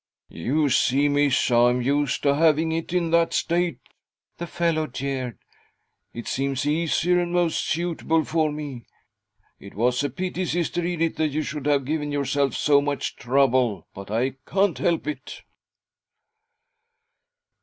' You see, miss, I'm used to having it in that state,' the fellow jeered. ' It seems easier and most suitable for me. It was a pity, Sister Edith, that you should have given yourself so much trouble, but I can't help it.'